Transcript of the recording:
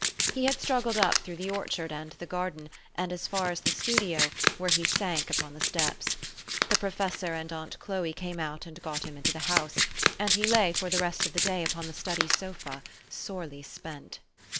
He had struggled up through the orchard and the garden, and as far as the studio, where he sank upon the steps. The professor and aunt Chloe came out and got him into the house ; and he lay for the rest of the day upon the study sofa, sorely spent.